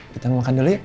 kita makan dulu yuk